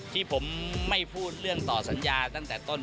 ที่ผมไม่พูดเรื่องต่อสัญญาตั้งแต่ต้น